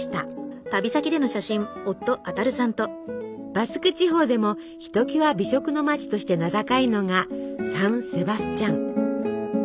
バスク地方でもひときわ美食の町として名高いのがサンセバスチャン。